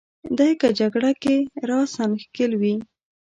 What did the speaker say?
دای که جګړه کې راساً ښکېل وي.